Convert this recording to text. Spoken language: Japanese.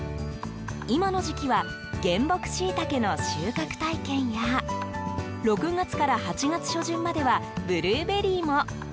今の時期は原木シイタケの収穫体験や６月から８月初旬まではブルーベリーも。